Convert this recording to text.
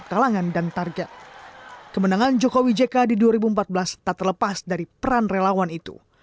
dan menjelang lagapripes dua ribu sembilan belas kemenangan jokowi jk di dua ribu empat belas tak terlepas dari peran relawan itu